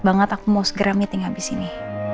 bangat aku mau segera meeting abis ini